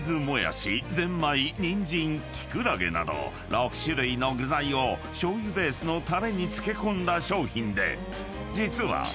［６種類の具材をしょう油ベースのたれに漬け込んだ商品で実は］これ！